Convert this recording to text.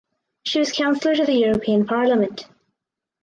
She was counsellor to the European Parliament.